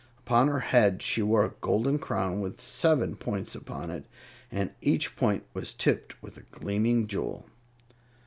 Upon her head she wore a golden crown with seven points upon it, and each point was tipped with a gleaming jewel.